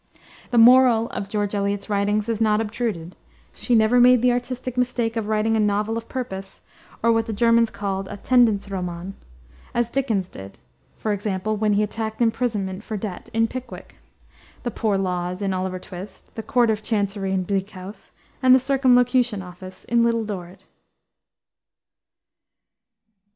The moral of George Eliot's writings is not obtruded. She never made the artistic mistake of writing a novel of purpose, or what the Germans call a tendenz roman; as Dickens did, for example, when he attacked imprisonment for debt, in Pickwick; the poor laws, in Oliver Twist; the Court of Chancery, in Bleak House; and the Circumlocution office, in Little Dorrit.